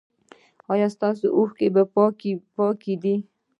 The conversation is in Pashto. ایا ستاسو اوښکې پاکې دي؟